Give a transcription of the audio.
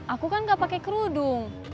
aku kan gak pakai kerudung